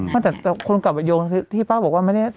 ไม่แต่คนกลับไปโยงที่ป้าบอกว่าไม่ได้